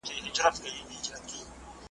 ایا د جګړې او سولې رومان فلم هم جوړ شوی دی؟